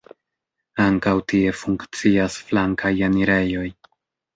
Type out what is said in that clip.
Ankaŭ tie funkcias flankaj enirejoj.